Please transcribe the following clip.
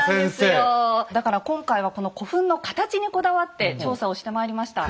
だから今回はこの古墳の形にこだわって調査をしてまいりました。